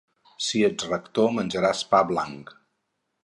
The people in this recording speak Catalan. Si ets rector menjaràs pa blanc.